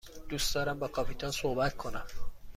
دوست دارم با کاپیتان صحبت کنم.